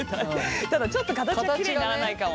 ただちょっと形がきれいにならないかも。